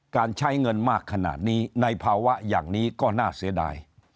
การใช้เงินมากขนาดนี้ในภาวะอย่างนี้ก็น่าเสียดาย